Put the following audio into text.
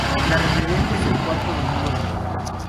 La referencia es el cuarto domingo de enero.